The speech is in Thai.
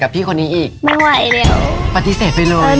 ปฏิเสธไปเลย